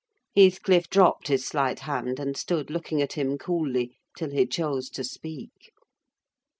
Heathcliff dropped his slight hand, and stood looking at him coolly till he chose to speak.